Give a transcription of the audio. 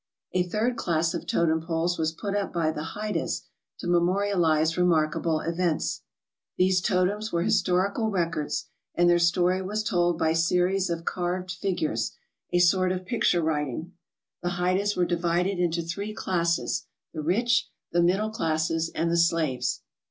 A third class of totem poles was put up by the Hydahs to memorialize remarkable events. These totems were historical records and their story was told by series of carved figures a sort of picture writing. The Hydahs were divided into three classes: the rich, the middle classes, and the slaves.